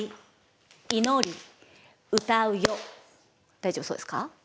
大丈夫そうですか？